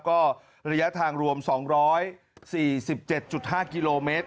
ก็ระยะทางรวม๒๔๗๕กิโลเมตร